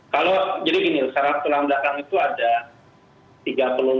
kalau jadi gini sekarang tulang belakang itu ada tiga puluh empat segmen